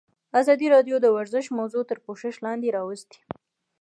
ازادي راډیو د ورزش موضوع تر پوښښ لاندې راوستې.